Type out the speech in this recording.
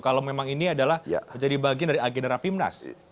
kalau memang ini adalah jadi bagian dari agenda rapimnas